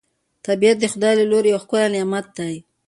طبیعت د خدای له لوري یو ښکلی نعمت دی